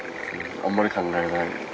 あんまり考えない。